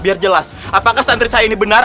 biar jelas apakah santri saya ini benar